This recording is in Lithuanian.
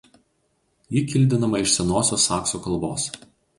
Ji kildinama iš senosios saksų kalbos.